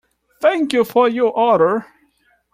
Thank you for your order!.